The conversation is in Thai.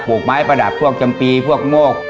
กไม้ประดับพวกจำปีพวกโงก